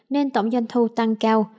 nên tổng doanh thu tăng cao